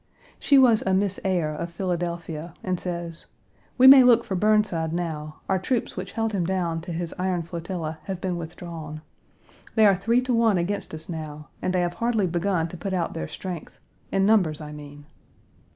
She was a Miss Ayer, of Philadelphia, and says, "We may look for Burnside now, our troops which held him down to his iron flotilla have been withdrawn. They are three to one against us now, and they have hardly begun to put out their strength in numbers, I mean.